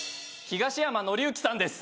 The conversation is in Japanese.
東山紀之さんです。